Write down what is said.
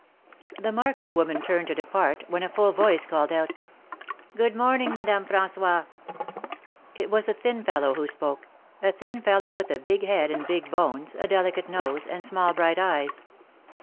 The market woman turned to depart, when a full voice called out: " Good morning, Madame Francois h" It was a thin fellow who spoke — a thin fellow with a big head and big bones, a delicate nose, and small bright eyes.